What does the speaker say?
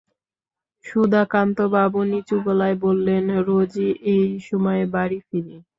সুধাকান্তবাবু নিচু গলায় বললেন, রোজই এই সময়ে বাড়ি ফিরি।